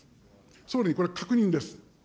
総理、これ、確認です。